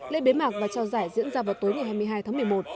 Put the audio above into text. lễ bế mạc và trao giải diễn ra vào tối ngày hai mươi hai tháng một mươi một